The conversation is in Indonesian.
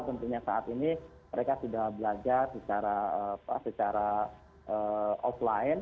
tentunya saat ini mereka sudah belajar secara offline